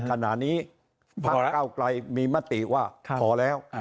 ขณะนี้พักเก้าไกลมีมติว่าพอแล้ว